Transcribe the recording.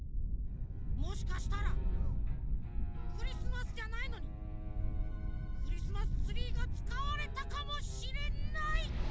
もしかしたらクリスマスじゃないのにクリスマスツリーがつかわれたかもしれない。